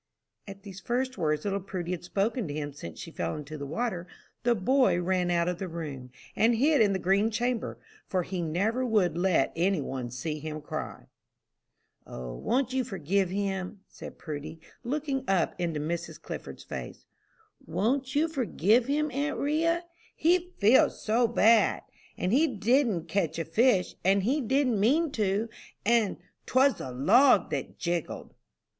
At these first words little Prudy had spoken to him since she fell into the water, the boy ran out of the room, and hid in the green chamber, for he never would let any one see him cry. "O, won't you forgive him?" said Prudy, looking up into Mrs. Clifford's face; "won't you forgive him, aunt 'Ria? he feels so bad; and he didn't catch a fish, and he didn't mean to, and 'twas the log that jiggled."